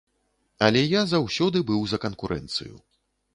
Але я заўсёды быў за канкурэнцыю.